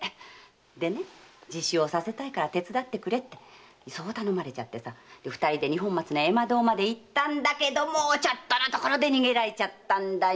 でね自首をさせたいから手伝ってくれって頼まれてさ二人で二本松の絵馬堂まで行ったんだけどもうちょっとのところで逃げられちゃったんだよ！